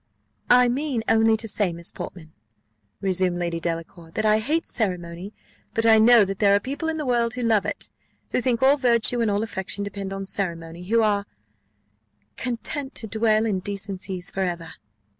"I mean only to say, Miss Portman," resumed Lady Delacour, "that I hate ceremony: but I know that there are people in the world who love it, who think all virtue, and all affection, depend on ceremony who are 'Content to dwell in decencies for ever.